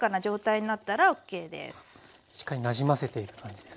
しっかりなじませていく感じですね。